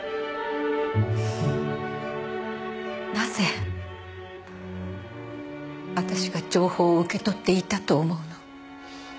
なぜ私が情報を受け取っていたと思うの？